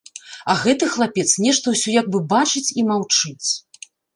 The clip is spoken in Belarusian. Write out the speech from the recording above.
А гэты хлапец нешта ўсё як бы бачыць і маўчыць.